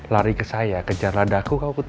lari ke saya kejar ladaku kau ku takut